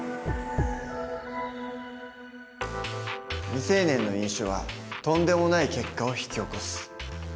未成年の飲酒はとんでもない結果を引き起こす。